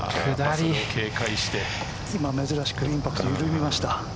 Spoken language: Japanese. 今、珍しくインパクト緩みました。